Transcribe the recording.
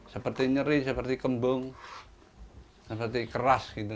seperti nyeri seperti kembung seperti keras gitu